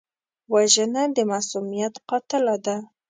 وژنه د معصومیت قاتله ده